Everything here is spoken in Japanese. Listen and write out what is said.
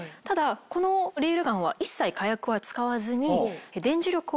ただこのレールガンは一切火薬は使わずに。